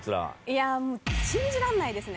いやもう信じらんないですね。